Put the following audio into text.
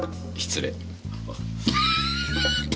失礼。